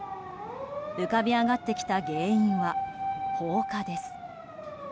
浮かび上がってきた原因は放火です。